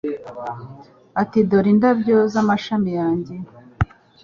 Ati Dore indabyo z'amashami yanjye